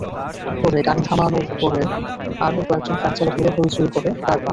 পরে গাড়ি থামানোর পরে আরও কয়েকজন ট্রাকচালক মিলে হইচই করে পার পান।